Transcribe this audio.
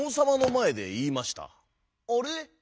「あれ？